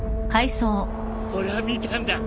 俺は見たんだ。